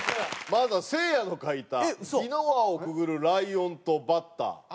まずはせいやの描いた「火の輪をくぐるライオン」と「バッター」。